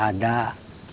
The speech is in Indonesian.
biasa udah begitu